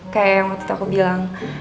kayak yang waktu itu aku bilang